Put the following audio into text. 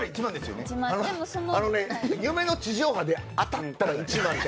あのね、夢の地上波で当たったら１万って。